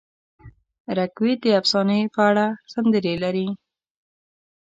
رګ وید د افسانې په اړه سندرې لري.